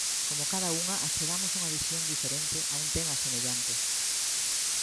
Como cada unha achegamos unha visión diferente a un tema semellante.